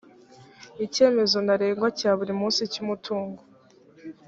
icyemezo ntarengwa cya buri munsi cy umutungo